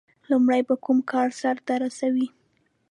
• لومړی به کوم کار سر ته رسوي؟